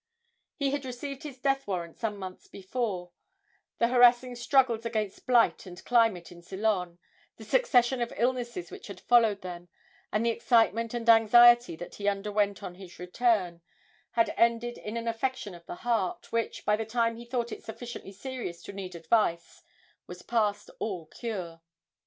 He had received his death warrant some months before; the harassing struggles against blight and climate in Ceylon, the succession of illnesses which had followed them, and the excitement and anxiety that he underwent on his return, had ended in an affection of the heart, which, by the time he thought it sufficiently serious to need advice, was past all cure.